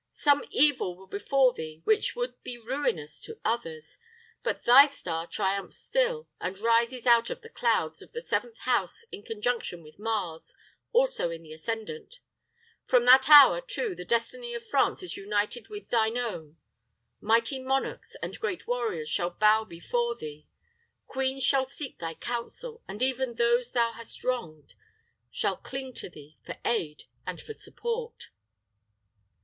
Some evil will befall thee which would be ruinous to others; but thy star triumphs still, and rises out of the clouds of the seventh house in conjunction with Mars, also in the ascendant. From that hour, too, the destiny of France is united with thine own. Mighty monarchs and great warriors shall bow before thee. Queens shall seek thy counsel, and even those thou hast wronged shall cling to thee for aid and for support."